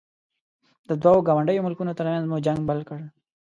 د دوو ګاونډیو ملکونو ترمنځ مو جنګ بل کړ.